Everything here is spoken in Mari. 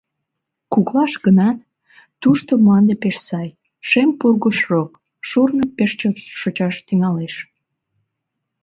Куклаш гынат, тушто мланде пеш сай, шем пургыж рок: шурно пеш чот шочаш тӱҥалеш.